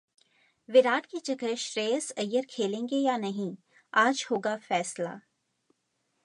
विराट की जगह श्रेयस अय्यर खेलेंगे या नहीं, आज होगा फैसला